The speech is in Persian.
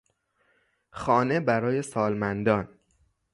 خانه برای سالمندان